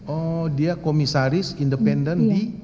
oh dia komisaris independen di